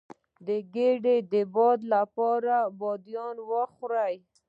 د ګیډې د باد لپاره بادیان وخورئ